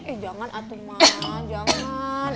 eh jangan atuh mama jangan